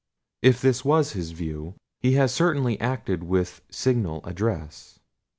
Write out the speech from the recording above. If this was his view, he has certainly acted with signal address.